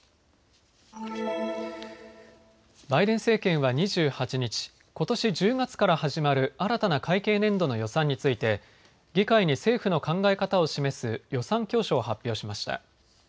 バイデン政権は２８日、ことし１０月から始まる新たな会計年度の予算について議会に政府の考え方を示す予算教書を発表しました。